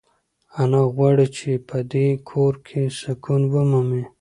انا غواړي چې په دې کور کې سکون ومومي.